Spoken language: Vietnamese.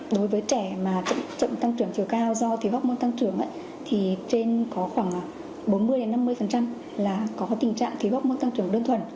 đối với trẻ mà chậm tăng trưởng chiều cao do thiếu hốc môn tăng trưởng thì trên có khoảng bốn mươi năm mươi là có tình trạng thiếu hốc môn tăng trưởng đơn thuần